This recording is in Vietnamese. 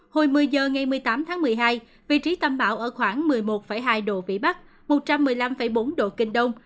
hồi một mươi h ngày một mươi tám tháng một mươi hai vị trí tâm bão ở khoảng một mươi một hai độ vĩ bắc một trăm một mươi năm bốn độ kinh đông